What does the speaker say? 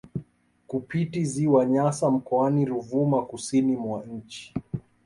Kupiti ziwa Nyasa mkoani Ruvuma kusini mwa nchi